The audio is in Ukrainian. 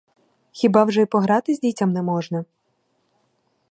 Хіба вже і погратись дітям не можна?